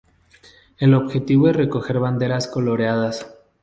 El objetivo es recoger banderas coloreadas.